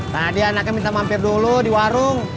tadi anaknya minta mampir dulu di warung